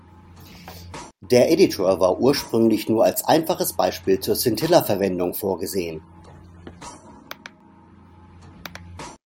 Der Editor war ursprünglich nur als einfaches Beispiel zur Scintilla-Verwendung vorgesehen.